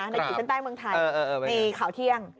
ในจุดข้างใต้เมืองไทยข่าวเที่ยง